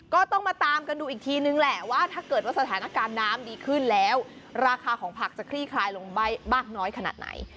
ก็ต้องมาตามกันดูอีกทีนึงแหละว่าถ้าเกิดว่าสถานการณ์น้ำดีขึ้นแล้วราคาของผักจะคลี่คลายลงมากน้อยขนาดไหน